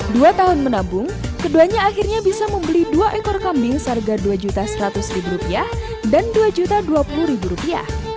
dua tahun menabung keduanya akhirnya bisa membeli dua ekor kambing seharga dua seratus rupiah dan dua dua puluh rupiah